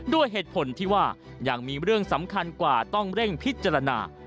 ด้วยเหตุผลที่ว่ายังมีเรื่องสำคัญกว่าต้องเร่งพิจารณา